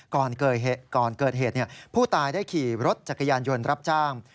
ก่อนเกิดเหตุผู้ตายได้ขี่รถจักรยานยนต์รับจ้าง